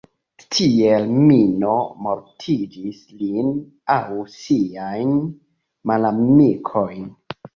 Tiel Minoo mortigis lin aŭ siajn malamikojn.